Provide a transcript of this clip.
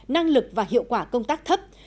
năng lực và hiệu quả công tác thấp